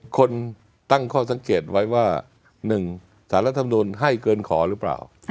คนตั้งข้อสังเกตไว้ว่า๑สารรัฐมนุนให้เกินขอหรือเปล่า